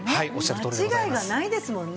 間違いがないですもんね。